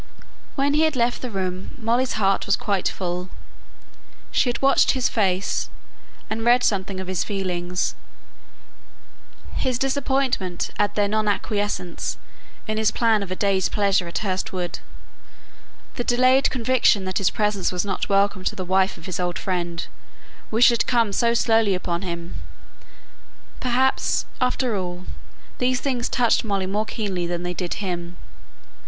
When he had left the room, Molly's heart was quite full. She had watched his face, and read something of his feelings: his disappointment at their non acquiescence in his plan of a day's pleasure in Hurst Wood, the delayed conviction that his presence was not welcome to the wife of his old friend, which had come so slowly upon him perhaps, after all, these things touched Molly more keenly than they did him.